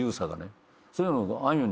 そういうの。